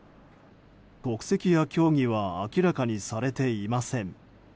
国籍や競技は明らかにされていません。